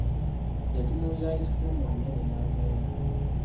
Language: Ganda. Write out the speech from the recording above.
Yaatunuulira ice cream omunene n'amwenya.